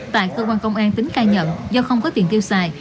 tại cơ quan công an tính khai nhận do không có tiền tiêu xài